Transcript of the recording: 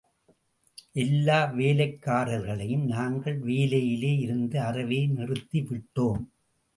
எல்லா வேலைக்காரர்களையும் நாங்கள் வேலையிலே இருந்து அறவே நிறுத்திவிட்டோம்.